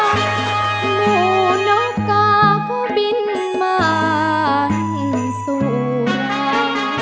หมู่นกาก็บินมาที่สุรา